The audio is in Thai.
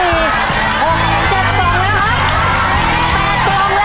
มีคำด้วยครับ